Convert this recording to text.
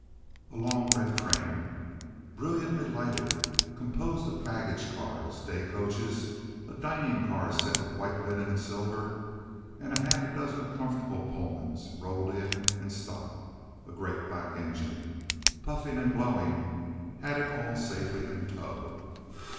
A long red train, brilliantly lighted, composed of baggage cars, day coaches, a dining car, set with white linen and silver, and a half dozen comfortable Pullmans, rolled in and stopped. A great black engine, puffing and glowing, had it all safely in tow.